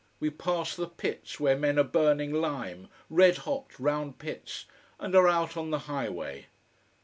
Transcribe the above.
We pass the pits where men are burning lime red hot, round pits and are out on the high way.